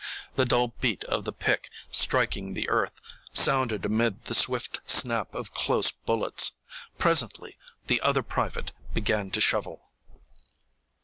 The dull beat of the pick striking the earth sounded amid the swift snap of close bullets. Presently the other private began to shovel.